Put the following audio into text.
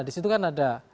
di situ kan ada pak prabowo